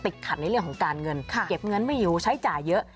ขัดในเรื่องของการเงินเก็บเงินไม่อยู่ใช้จ่ายเยอะ